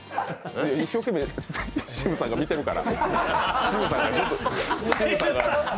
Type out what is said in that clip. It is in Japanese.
一生懸命シムさんが見てるから。